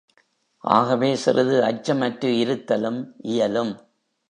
ஆகவே சிறிது அச்சம் அற்று இருத்தலும் இயலும்!